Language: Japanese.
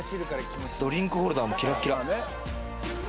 ドリンクホルダーもキラキラ！